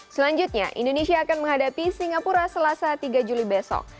selanjutnya indonesia akan menghadapi singapura selasa tiga juli besok